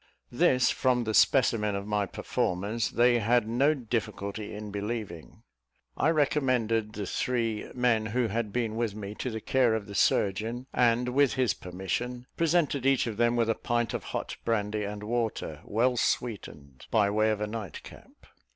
This, from the specimen of my performance, they had no difficulty in believing. I recommended the three men who had been with me to the care of the surgeon; and, with his permission, presented each of them with a pint of hot brandy and water, well sweetened, by way of a night cap.